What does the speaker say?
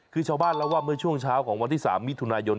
คือชาวบ้านเล่าว่าเมื่อช่วงเช้าของวันที่๓มิถุนายน